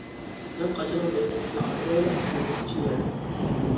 مەن قاچىنىڭ مەينەتلىكىگە قارىمايلا قىمىزنى ئىچىۋەردىم.